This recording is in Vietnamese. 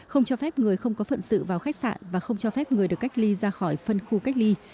không cho phép người không có phận sự vào khách sạn và không cho phép người được cách ly ra khỏi phân khu cách ly